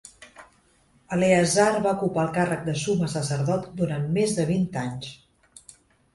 Eleazar va ocupar el càrrec de summe sacerdot durant més de vint anys.